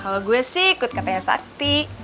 kalau gue sih ikut katanya sakti